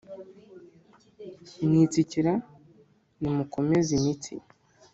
mwitsikira nimukomeze imitsi